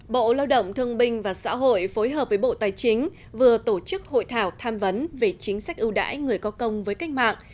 bộ lao động thương binh và xã hội phối hợp với bộ tài chính vừa tổ chức hội thảo tham vấn về chính sách ưu đãi người có công với cách mạng